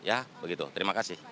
ya begitu terima kasih